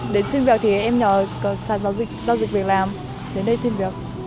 đến xin việc thì em nhờ sản giao dịch việc làm đến đây xin việc